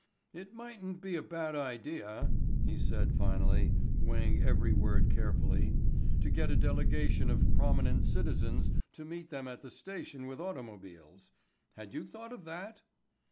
"It mightn't be a bad idea," he said finally, weighing every word carefully, "to get a delegation of prominent citizens to meet them at the station with automobiles. Had you thought of that?"